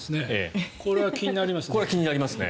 これは気になりますね。